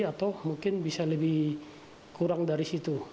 atau mungkin bisa lebih kurang dari situ